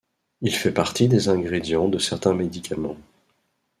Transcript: Il fait partie des ingrédients de certains médicaments.